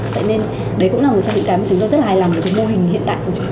thế nên đấy cũng là một trong những cái mà chúng tôi rất là hài lòng về cái mô hình hiện tại của mình